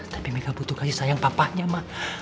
tapi meka butuh kasih sayang papahnya ma